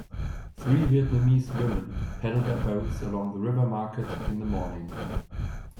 Three Vietnamese women paddle their boats along the river market in the morning.